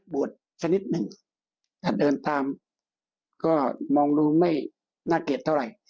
สักนิดหนึ่งถ้าเดินตามก็มองดูไม่น่าเกลียดเท่าไหร่